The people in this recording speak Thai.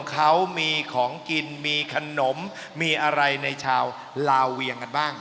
เขามีของกินมีขนมมีอะไรในชาวลาเวียงกันบ้าง